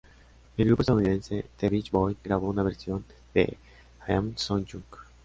El grupo estadounidense The Beach Boys grabó una versión de "I'm So Young".